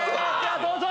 どうぞ。